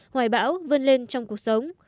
hoài bão vươn lên trong cuộc sống